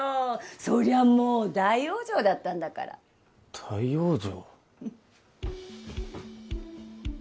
そりゃもう大往生だったんだから大往生？